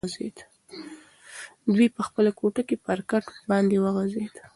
دی په خپله کوټه کې پر کټ باندې وغځېد.